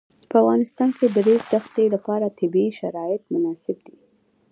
په افغانستان کې د د ریګ دښتې لپاره طبیعي شرایط مناسب دي.